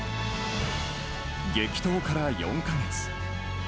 激闘から４か月。